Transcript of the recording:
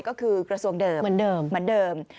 ก็คือกระทรวงเดิมเหมือนเดิม